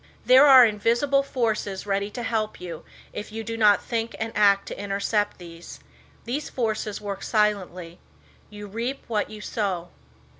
There are invisible forces ready to help you if you do not think and act to intercept these. These forces work silently. "You reap what you sow."